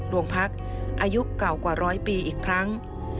ลวงพักษ์อายุเก่ากว่า๑๐๐ปีอีกครั้ง